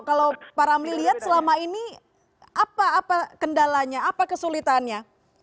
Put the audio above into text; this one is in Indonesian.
nah kalau para miliat selama ini apa kendalanya apa kesulitannya